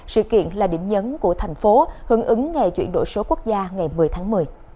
sự kiện là điểm nhấn của thành phố hướng ứng nghề chuyển đổi số quốc gia ngày một mươi tháng một mươi